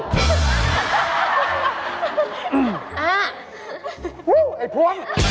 อ้าวไอ้พวง